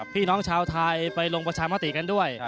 พี่น้องชาวไทยไปลงประชามติกันด้วย